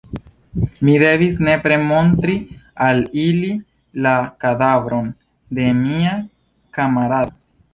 Mi devis nepre montri al ili la kadavron de mia kamarado.